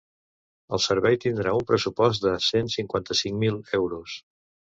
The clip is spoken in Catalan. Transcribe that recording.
El servei tindrà un pressupost de cent quaranta-cinc mil euros.